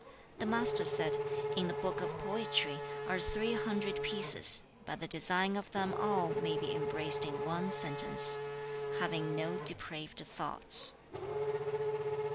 The Master said, 'In the Book of Poetry are three hundred pieces, but the design of them all may be embraced in one sentence "Having no depraved thoughts."'